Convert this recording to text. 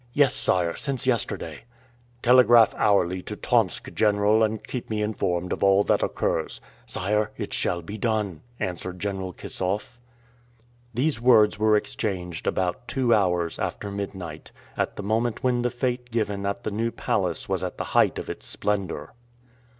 "Yes, sire, since yesterday." "Telegraph hourly to Tomsk, General, and keep me informed of all that occurs." "Sire, it shall be done," answered General Kissoff. These words were exchanged about two hours after midnight, at the moment when the fête given at the New Palace was at the height of its splendor.